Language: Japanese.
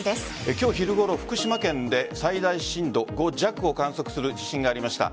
今日昼ごろ、福島県で最大震度５弱を観測する地震がありました。